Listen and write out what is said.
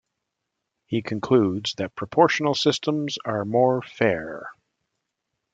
He concludes that proportional systems are more "fair".